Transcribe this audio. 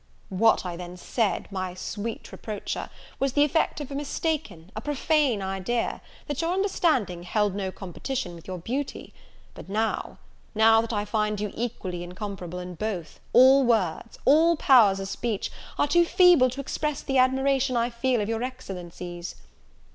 "What I then said, my sweet reproacher, was the effect of a mistaken, a profane idea, that your understanding held no competition with your beauty; but now, now that I find you equally incomparable in both, all words, all powers of speech, are too feeble to express the admiration I feel of your excellencies."